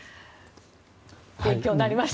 勉強になりました。